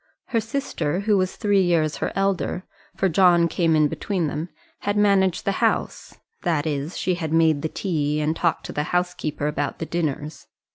Her sister, who was three years her elder for John came in between them had managed the house; that is, she had made the tea and talked to the housekeeper about the dinners.